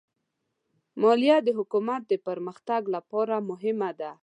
مالیه د حکومت د پرمختګ لپاره مهمه ده.